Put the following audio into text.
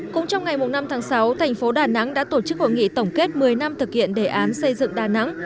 cũng trong ngày năm tháng sáu thành phố đà nẵng đã tổ chức hội nghị tổng kết một mươi năm thực hiện đề án xây dựng đà nẵng